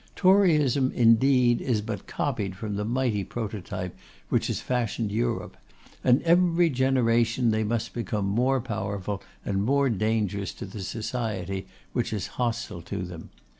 Toryism, indeed, is but copied from the mighty prototype which has fashioned Europe. And every generation they must become more powerful and more dangerous to the society which is hostile to them.